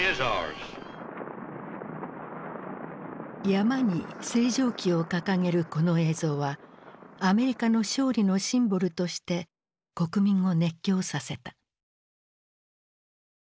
山に星条旗を掲げるこの映像はアメリカの勝利のシンボルとして国民を熱狂させた。